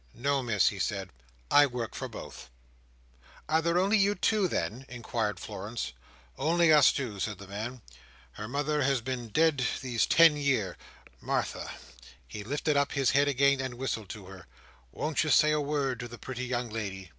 "No, Miss," he said. "I work for both," "Are there only you two, then?" inquired Florence. "Only us two," said the man. "Her mother has been dead these ten year. Martha!" (he lifted up his head again, and whistled to her) "won't you say a word to the pretty young lady?"